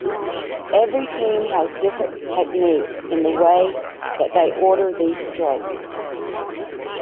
Every team has different techniques in the way that they order these strokes.